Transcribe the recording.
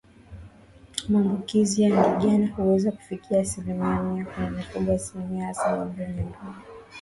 Maambukizi ya ndigana huweza kufikia asilimia mia kwenye mifugo asilia hasa ngombe wenye nundu